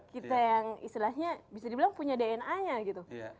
kita yang istilahnya bisa dibilang punya dna nya gitu